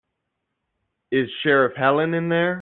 Is Sheriff Helen in there?